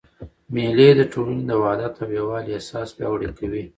مېلې د ټولني د وحدت او یووالي احساس پیاوړی کوي.